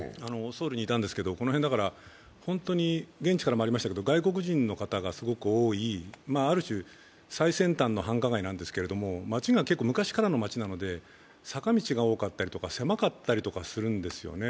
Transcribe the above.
ソウルにいたんですけど、この辺、外国人の方がすごく多いある種、最先端の繁華街なんですけれども、街が結構、昔からの街なので坂道が多かったりとか狭かったりとかするんですよね。